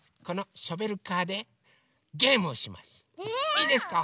いいですか？